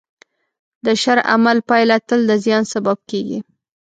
د شر عمل پایله تل د زیان سبب کېږي.